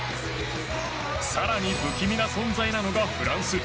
更に、不気味な存在なのがフランス。